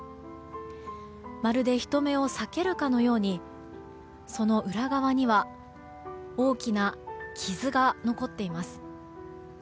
まるで人目を避けるかのようにその裏側には大きな傷が残っています。